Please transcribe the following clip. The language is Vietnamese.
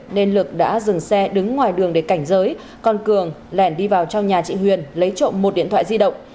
nên lực đã dừng xe đứng ngoài đường để cảnh giới còn cường lẻn đi vào trong nhà chị huyền lấy trộm một điện thoại di động